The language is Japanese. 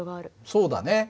そうだね。